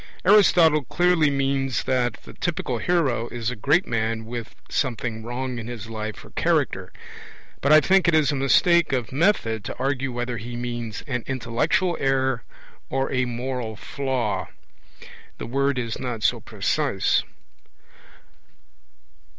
Aristotle clearly means that the typical hero is a great man with 'something wrong' in his life or character; but I think it is a mistake of method to argue whether he means 'an intellectual error' or 'a moral flaw'. The word is not so precise.